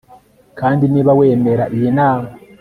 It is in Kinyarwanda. Kandi niba wemera iyi nama